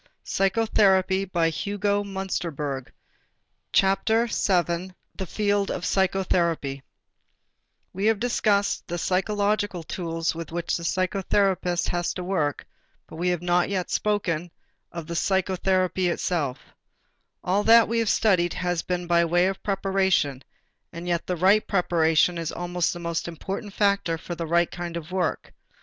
PART II THE PRACTICAL WORK OF PSYCHOTHERAPY VII THE FIELD OF PSYCHOTHERAPY We have discussed the psychological tools with which the psychotherapist has to work but we have not spoken as yet of psychotherapy itself. All that we have studied has been by way of preparation; and yet the right preparation is almost the most important factor for the right kind of work.